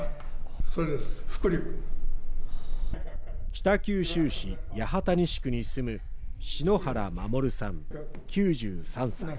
北九州市八幡西区に住む篠原守さん９３歳。